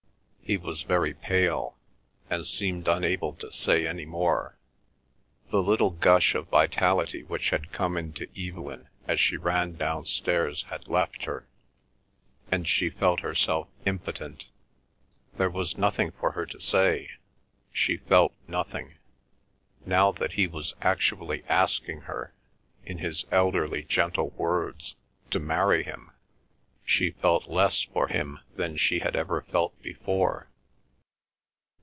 He was very pale, and seemed unable to say any more. The little gush of vitality which had come into Evelyn as she ran downstairs had left her, and she felt herself impotent. There was nothing for her to say; she felt nothing. Now that he was actually asking her, in his elderly gentle words, to marry him, she felt less for him than she had ever felt before.